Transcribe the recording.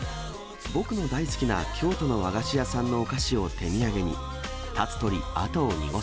僕の大好きな京都の和菓子屋さんのお菓子を手土産に。